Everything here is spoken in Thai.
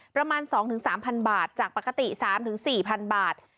ประมาณ๒๓๐๐บาทจากปกติ๓๔๐๐๐บาท